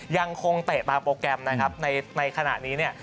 เตะตามโปรแกรมนะครับในขณะนี้เนี่ย